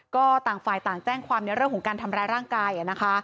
ก็ต่างฝ่ายต่างแจ้งความในเรื่องของการทำร้ายร่างกายนะคะ